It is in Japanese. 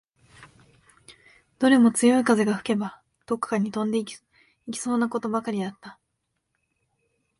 どれも強い風が吹けば、どっかに飛んでいきそうなことばかりだった